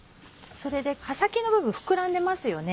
葉先の部分膨らんでますよね？